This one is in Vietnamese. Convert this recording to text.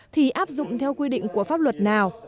thì áp dụng theo quy định của pháp luật nào